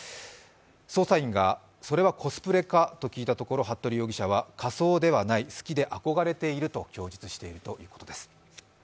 捜査員が、それはコスプレか？と聞いたところ服部容疑者は、仮装ではない、好きで憧れていると供述しているということです。